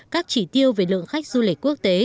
các chỉ tiêu về lượng khách du lịch quốc tế